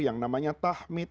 yang namanya tahmid